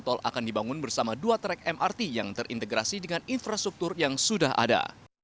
tol akan dibangun bersama dua track mrt yang terintegrasi dengan infrastruktur yang sudah ada